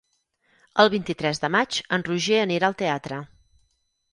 El vint-i-tres de maig en Roger anirà al teatre.